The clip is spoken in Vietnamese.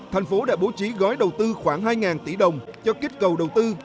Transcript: thành phố đã bố trí gói đầu tư khoảng hai tỷ đồng cho kết cầu đầu tư